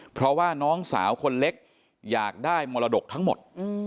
เพราะว่าน้องสาวคนเล็กอยากได้มรดกทั้งหมด